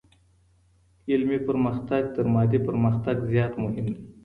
علمي پرمختګ تر مادي پرمختګ زيات مهم دی.